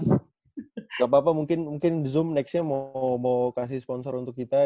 tidak apa apa mungkin di zoom selanjutnya mau kasih sponsor untuk kita